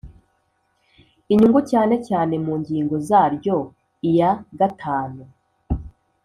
inyungu cyane cyane mu ngingo zaryo iya gatanu